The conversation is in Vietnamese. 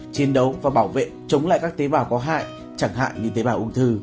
chiến đấu và bảo vệ chống lại các tế bào có hại chẳng hạn như tế bào ung thư